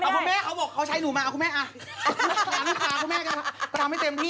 คุณแม่เขาบอกเขาใช้หนูมาคุณแม่เอาอย่างนั้นค่ะคุณแม่ก็ทำให้เต็มที่